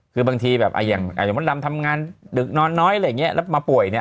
คือบางทีแบบอย่างมดดำทำงานดึกนอนน้อยอะไรอย่างนี้แล้วมาป่วยเนี่ย